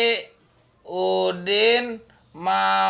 udin mau jagain nyak dirumah